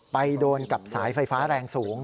ไปโดนกับสายไฟฟ้าแรงสูง